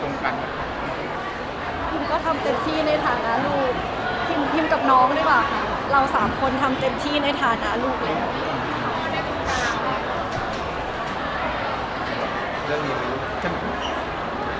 พิมก็ทำเต็มที่ในฐานะลูกทีมกับน้องดีกว่าค่ะเราสามคนทำเต็มที่ในฐานะลูกแล้ว